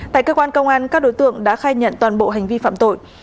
tại cơ quan công an các đối tượng đã khai nhận toàn bộ hành vi phạm tội